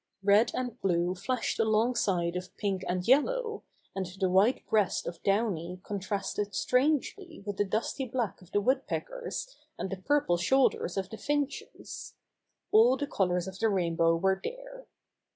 Red and blue flashed along side of pink and yellow, and the white breast of Downy contrasted strangely with the dusty black of the Woodpeckers and the purple 68 Bobby Gray Squirrel's Adventures shoulders of the Finches. All the colors of the rainbow were there.